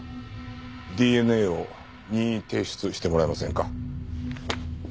ＤＮＡを任意提出してもらえませんか？